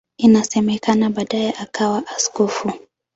Inasemekana baadaye akawa askofu.